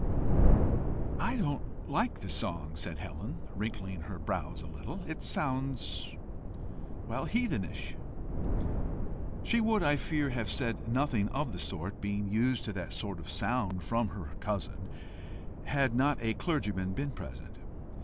"I don't like the song," said Helen, wrinkling her brows a little. "It sounds well, heathenish." She would, I fear, have said nothing of the sort, being used to that kind of sound from her cousin, had not a clergyman been present.